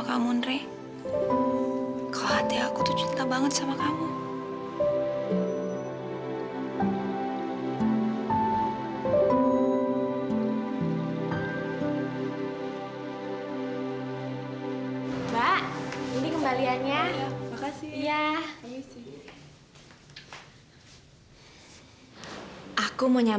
aku minta turun sekarang